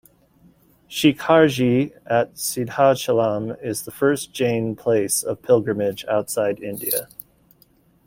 Shikharji at Siddhachalam is the first Jain place of pilgrimage outside India.